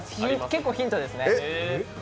結構ヒントですね。